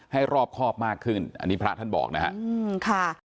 รอบครอบมากขึ้นอันนี้พระท่านบอกนะฮะค่ะ